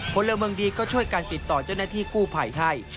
คนเล็กเมืองดีก็ช่วยกันติดต่อเจ้าหน้าที่กู้ไภให้